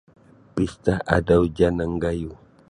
Pista Adau Janang Gayuh.